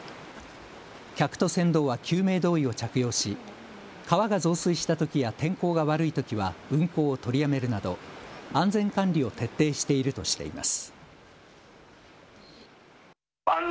客と船頭は救命胴衣を着用し川が増水したときや天候が悪いときは運航を取りやめるなど安全管理を徹底しているとしています。